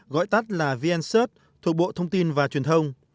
gọi tắt là vncert thuộc bộ thông tin và truyền thông